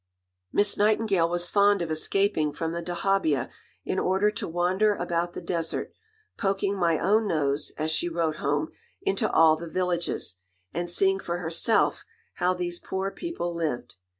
Miss Nightingale was fond of escaping from the dahabiah in order to wander about the desert, "poking my own nose," as she wrote home, "into all the villages," and seeing for herself how "these poor people" lived.